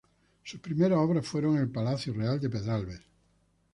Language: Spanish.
Sus primeras obras fueron en el Palacio Real de Pedralbes.